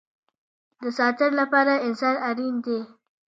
د ساتنې لپاره انسان اړین دی